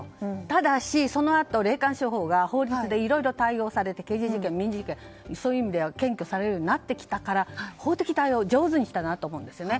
ただし、そのあと霊感商法が法律でいろいろ対応されて刑事事件、民事事件そういう意味で検挙されるようになってきたから法的対応を上手にしたなと思うんですね。